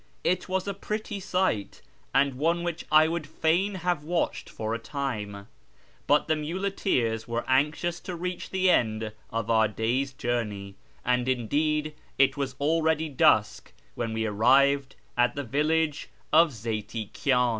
It was a pretty sight, and one which I would fain have watched for a time ; but the muleteers were anxious to reach the end of our day's journey, and indeed it was already dusk when we arrived at the village of Zeyti Kyau.